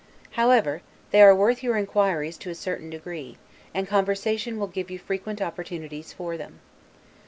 However, they are worth your inquiries to a certain degree, and conversation will give you frequent opportunities for them.